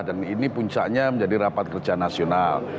dan ini puncaknya menjadi rapat kerja nasional